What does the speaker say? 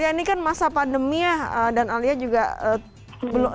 ya ini kan masa pandemi ya dan alia juga belum